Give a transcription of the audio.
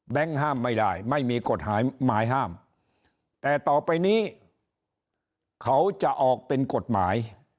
ห้ามไม่ได้ไม่มีกฎหมายหมายห้ามแต่ต่อไปนี้เขาจะออกเป็นกฎหมาย